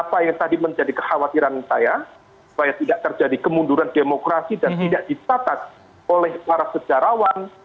apa yang tadi menjadi kekhawatiran saya supaya tidak terjadi kemunduran demokrasi dan tidak ditatat oleh para sejarawan